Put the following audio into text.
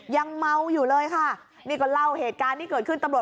ยังเมาอยู่เลยค่ะนี่ก็เล่าเหตุการณ์ที่เกิดขึ้นตำรวจ